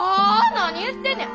何言ってんねん。